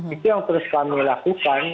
itu yang terus kami lakukan